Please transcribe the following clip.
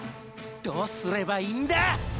どうすればいいんだ！